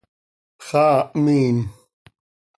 ¡Xaa mhiin!